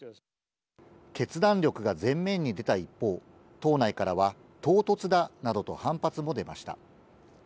決断力が前面に出た一方、党内からは唐突だなどと反発も出ました。